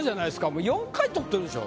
もう４回取ってるでしょ。